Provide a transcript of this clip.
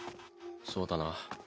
そうだな。